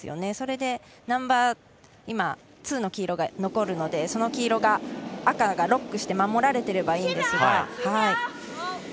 それでナンバーツーの黄色が残るのでその黄色を赤がロックして守られていればいいんですが。